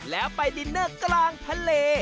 แล้วไปดินเนอร์กลางทะเล